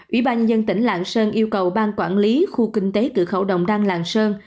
ủy ban nhân tỉnh lạng sơn yêu cầu ban quản lý khu kinh tế cửa khẩu đồng đăng lạng sơn